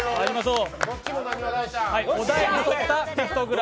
う！